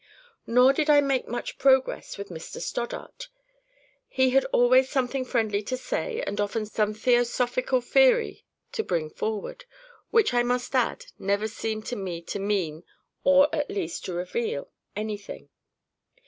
Nor did I make much progress with Mr Stoddart. He had always something friendly to say, and often some theosophical theory to bring forward, which, I must add, never seemed to me to mean, or, at least, to reveal, anything.